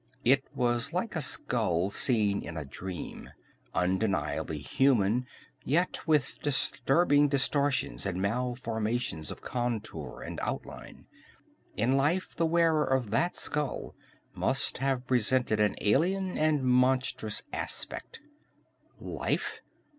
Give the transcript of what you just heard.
It was like a skull seen in a dream, undeniably human, yet with disturbing distortions and malformations of contour and outline. In life the wearer of that skull must have presented an alien and monstrous aspect. Life?